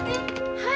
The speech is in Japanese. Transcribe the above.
はい。